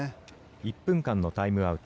１分間のタイムアウト。